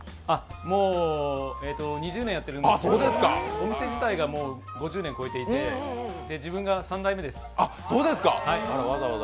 もう、２０年やってるんですけど、お店自体が５０年超えていて自分が３代目です。